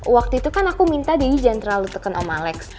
waktu itu kan aku minta daddy jangan terlalu teken om alex